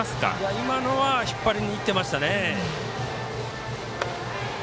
今のは引っ張りにいってましたね。